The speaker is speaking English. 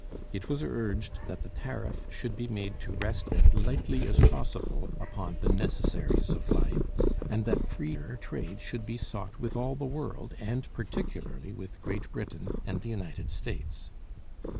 It was urged that the tariff should be made to rest as lightly as possible upon the necessaries of life, and that freer trade should be sought with all the world, and particularly with Great Britain and the United States.